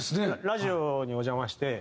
ラジオにお邪魔して。